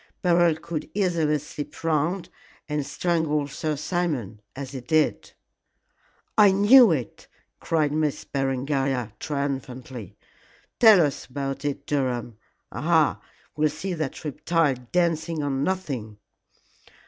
Beryl could easily slip round and strangle Sir Simon as he did." "I knew it," cried Miss Berengaria, triumphantly. "Tell us all about it, Durham. Aha! we'll see that reptile dancing on nothing."